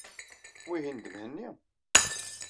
Wihin d Mhenni?